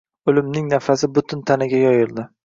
O`limning nafasi butun tanaga yoyildi